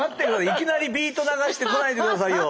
いきなりビート流してこないで下さいよ。